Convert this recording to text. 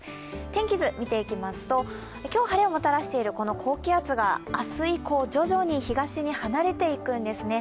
天気図見ていきますと、今日晴れをもたらしているこの高気圧が明日以降徐々に東に離れていくんですね。